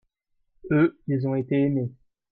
eux, ils ont été aimé.